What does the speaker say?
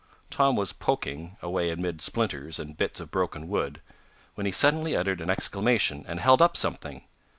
Tom was "poking" away amid splinters, and bits of broken wood, when he suddenly uttered an exclamation, and held up something.